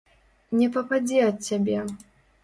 Не пападзе ад цябе!